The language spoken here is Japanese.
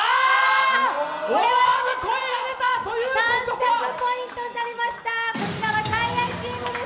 ３００ポイントになりました。